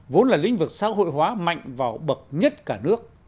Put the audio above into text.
vốn là lĩnh vực xã hội hóa mạnh vào bậc nhất cả nước